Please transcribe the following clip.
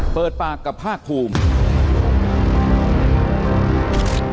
เปิดปากกับภาคภูมิ